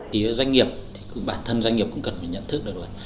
thì doanh nghiệp bản thân doanh nghiệp cũng cần nhận thức được là